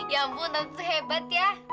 ya ampun tante tuh hebat ya